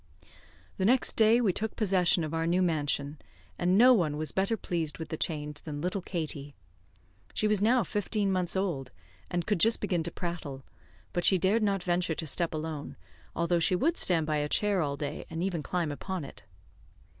The next day, we took possession of our new mansion, and no one was better pleased with the change than little Katie. She was now fifteen months old, and could just begin to prattle, but she dared not venture to step alone, although she would stand by a chair all day, and even climb upon it.